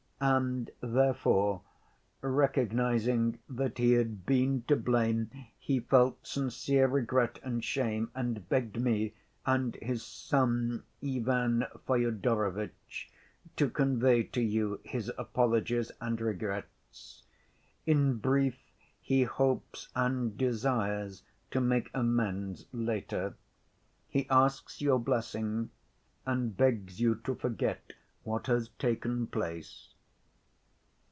And therefore, recognizing that he had been to blame, he felt sincere regret and shame, and begged me, and his son Ivan Fyodorovitch, to convey to you his apologies and regrets. In brief, he hopes and desires to make amends later. He asks your blessing, and begs you to forget what has taken place."